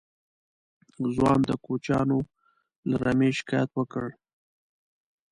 ځوان د کوچيانو له رمې شکايت وکړ.